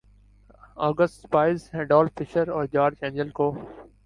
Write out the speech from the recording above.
آ gist Spies ‘Adolph Fischer اور George Engel کو